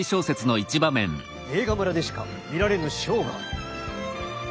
映画村でしか見られぬショーがある。